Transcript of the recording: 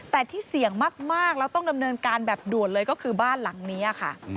แต่ที่เสี่ยงมากแล้วต้องดำเนินการแบบด่วนเลยก็คือบ้านหลังนี้ค่ะ